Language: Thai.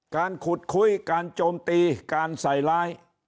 การขุดคุยการโจมตีการใส่ร้าย